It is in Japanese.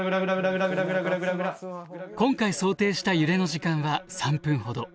今回想定した揺れの時間は３分ほど。